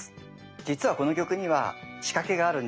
実はこの曲には仕掛けがあるんです。